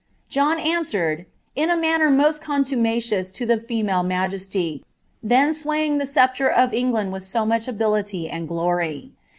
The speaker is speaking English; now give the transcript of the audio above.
John answered D • manner most contumacious to the female majesty, then swaying the oeptre of EIngland with so much ability and glory.